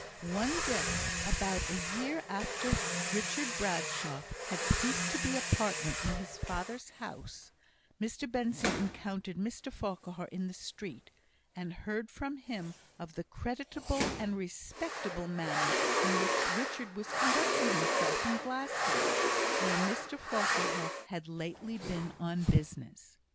One day, about a year after Richard Bradshaw had ceased to be a partner in his father's house, Mr Benson encountered Mr Farquhar in the street, and heard from him of the creditable and respectable manner in which Richard was conducting himself in Glasgow, where Mr Farquhar had lately been on business.